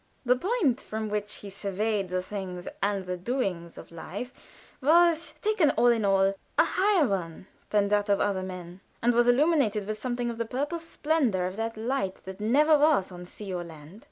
The point from which he surveyed the things and the doings of life was, taken all in all, a higher one than that of other men, and was illumined with something of the purple splendor of that "light that never was on sea or land."